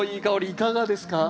いかがですか？